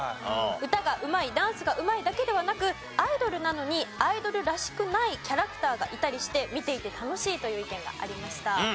歌がうまいダンスがうまいだけではなくアイドルなのにアイドルらしくないキャラクターがいたりして見ていて楽しいという意見がありました。